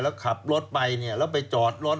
แล้วขับรถไปเนี่ยแล้วไปจอดรถ